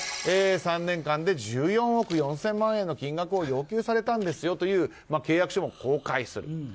３年間で１４億４０００万円の金額を要求されたんですよという契約書も公開する。